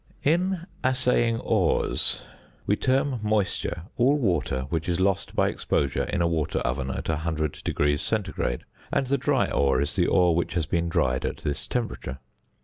In assaying ores, we term "moisture" all water which is lost by exposure in a water oven at 100° C., and the "dry ore" is the ore which has been dried at this temperature.